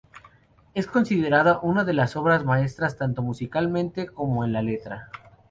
Es considerada una de sus obras maestras tanto musicalmente como en la letra.